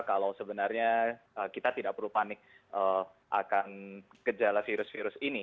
kalau sebenarnya kita tidak perlu panik akan gejala virus virus ini